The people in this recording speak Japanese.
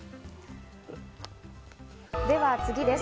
では次です。